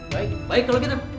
baik baik tolong kita